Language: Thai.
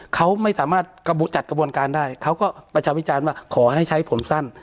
เขาไม่สามารถจัดกระบวนการได้เขาก็ประชาวิจารณ์ว่าขอให้ใช้ผมสั้น